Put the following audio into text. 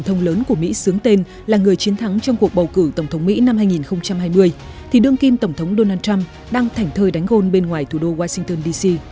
trong năm hai nghìn hai mươi thì đương kim tổng thống donald trump đang thảnh thơi đánh gôn bên ngoài thủ đô washington dc